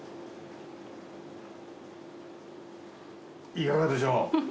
いかがでしょう？